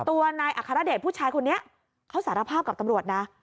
ตัวนายอัครเดชผู้ชายคนนี้เขาสารภาพกับตำรวจนะ